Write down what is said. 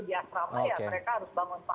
di asrama ya mereka harus bangun